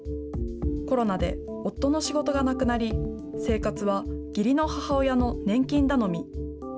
コロナで夫の仕事がなくなり、生活は義理の母親の年金頼み。